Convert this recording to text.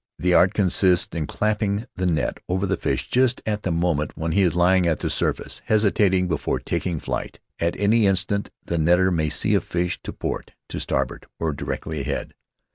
The art consists in clapping the net over the fish just at the moment when he is lying at the surface, hesitating before taking flight; at any instant the netter may see a fish to port, to starboard, or directly ahead.